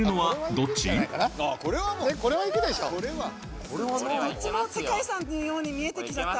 どっちも世界遺産のように見えてきちゃった